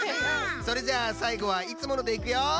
それじゃあさいごはいつものでいくよ！